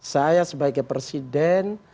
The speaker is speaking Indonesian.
saya sebagai presiden